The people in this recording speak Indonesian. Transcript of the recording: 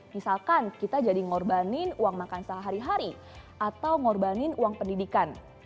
misalkan kita jadi ngorbanin uang makan sehari hari atau ngorbanin uang pendidikan